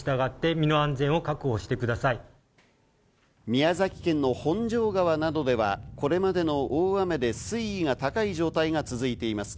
宮崎県の本庄川などでは、これまでの大雨で水位が高い状態が続いています。